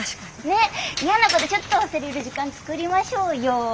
ねっやなことちょっと忘れる時間作りましょうよ。